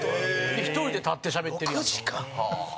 １人で立ってしゃべってるやんか。